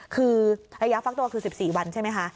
คือระยะฟักตัวคือ๑๔วันใช่ไหมคะ